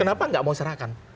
kenapa tidak mau diserahkan